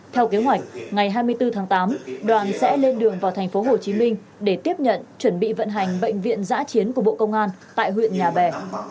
theo kế hoạch ngày hai mươi bốn tháng tám đoàn sẽ lên đường vào thành phố hồ chí minh để tiếp nhận chuẩn bị vận hành bệnh viện giã chiến của bộ công an tại huyện nhà bè